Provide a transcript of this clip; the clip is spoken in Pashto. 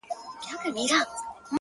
• له یوه لاسه تر بل پوري رسیږي ,